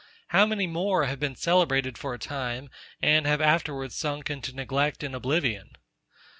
How many more have been celebrated for a time, and have afterwards sunk into neglect and oblivion?